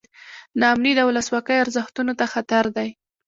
نا امني د ولسواکۍ ارزښتونو ته خطر دی.